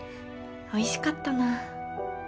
おいしかったな。